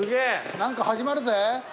何か始まるぜ。